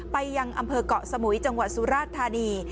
ไปยังอำเภอกเกาะสมุยจังหวัดสุราชธานี